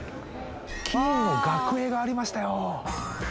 金の額絵がありましたよ！